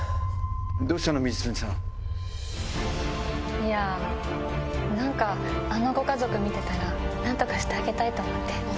いや何かあのご家族見てたら何とかしてあげたいと思って。